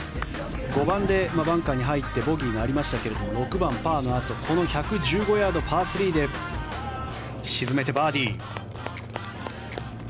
５番でバンカーに入ってボギーがありましたが６番、パーのあとこの１１５ヤード、パー３で沈めてバーディー。